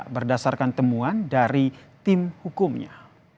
berdasarkan temuan dari tim hukumnya